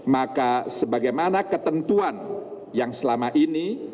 maka sebagaimana ketentuan yang selama ini